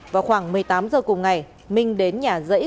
vào khoảng một mươi tám giờ cùng ngày minh đến nhà rẫy